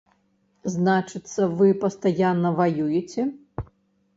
Значыцца, вы пастаянна ваюеце.